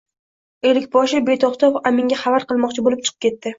Ellikboshi beto‘xtov aminga xabar qil-moqchi bo‘lib chiqib ketdi